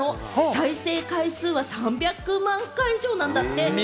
再生回数は３００万回以上なんだって。